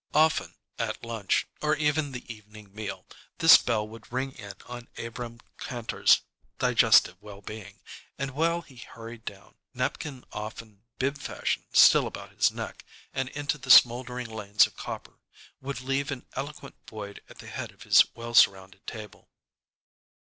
Often at lunch, or even the evening meal, this bell would ring in on Abrahm Kantor's digestive well being, and while he hurried down, napkin often bib fashion still about his neck, and into the smouldering lanes of copper, would leave an eloquent void at the head of his well surrounded table.